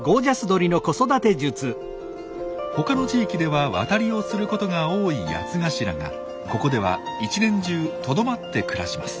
他の地域では渡りをすることが多いヤツガシラがここでは一年中とどまって暮らします。